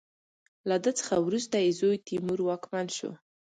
له ده څخه وروسته یې زوی تیمور واکمن شو.